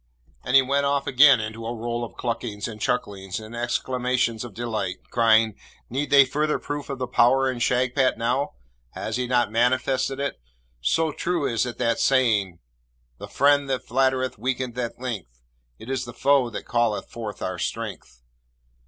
and he went off again into a roll of cluckings and chucklings and exclamations of delight, crying, 'Need they further proof of the power in Shagpat now? Has he not manifested it? So true is that saying "The friend that flattereth weakeneth at length; It is the foe that calleth forth our strength."